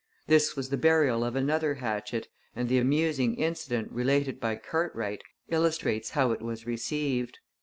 This was the burial of another hatchet, and the amusing incident related by Cartwright illustrates how it was received.